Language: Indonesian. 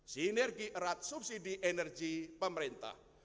sinergi erat subsidi energi pemerintah